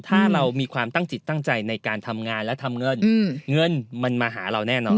ถ้าเรามีความตั้งจิตตั้งใจในการทำงานและทำเงินเงินมันมาหาเราแน่นอน